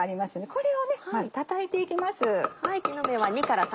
これをたたいていきます。